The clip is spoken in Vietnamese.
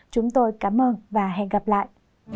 chúng tôi cảm ơn và hẹn gặp lại